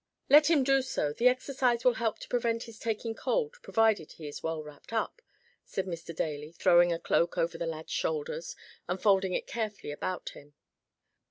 "Let him do so, the exercise will help to prevent his taking cold provided he is well wrapped up;" said Mr. Daly, throwing a cloak over the lad's shoulders and folding it carefully about him.